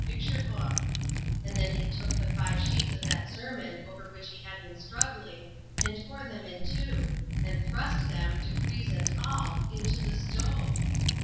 picture book ; and then he took the five sheets of that sermon over which he had been struggling, and tore them in two, and thrust them, decrees and all, into the stove